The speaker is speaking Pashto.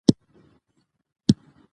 د یوې ښې ورځې په لټه کې یو.